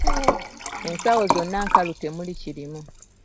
Ensawo zonna nkalu temuli kirimu.